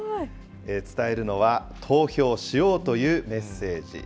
伝えるのは、投票しようというメッセージ。